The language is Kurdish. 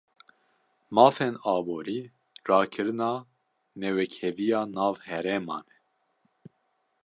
Mafên aborî, rakirina newekheviya nav herêman e